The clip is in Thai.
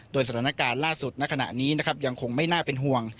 โดยสถานการณ์ล่าสุดณขณะนี้นะครับยังคงไม่น่าเป็นห่วง